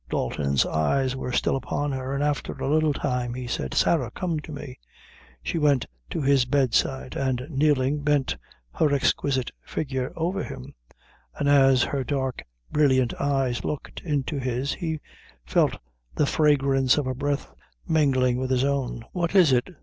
Dalton's eyes were still upon her, and after a little time, he said "Sarah, come to me." She went to his bedside, and kneeling, bent her exquisite figure over him; and as her dark brilliant eyes looked into his, he felt the fragrance of her breath mingling with his own. "What is it?"